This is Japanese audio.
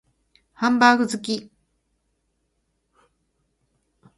ハンバーグ好き